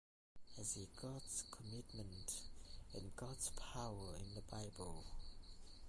I see God's commitment and God's power in the bible